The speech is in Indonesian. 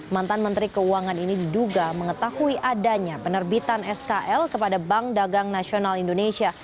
mantan menteri keuangan ini diduga mengetahui adanya penerbitan skl kepada bank dagang nasional indonesia